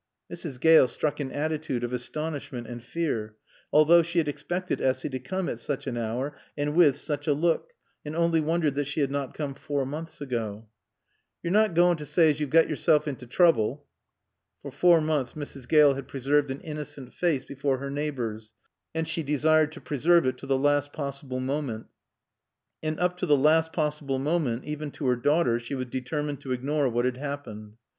Mrs. Gale struck an attitude of astonishment and fear, although she had expected Essy to come at such an hour and with such a look, and only wondered that she had not come four months ago. "Yo're nat goain' t' saay as yo've got yoresel into trooble?" For four months Mrs. Gale had preserved an innocent face before her neighbors and she desired to preserve it to the last possible moment. And up to the last possible moment, even to her daughter, she was determined to ignore what had happened.